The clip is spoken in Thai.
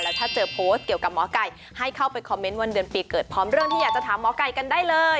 ถ้าเจอโพสต์เกี่ยวกับหมอไก่ให้เข้าไปคอมเมนต์วันเดือนปีเกิดพร้อมเรื่องที่อยากจะถามหมอไก่กันได้เลย